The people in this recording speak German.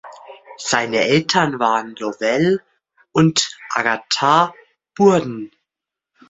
Seine Eltern waren Lowell und Agatha Burden.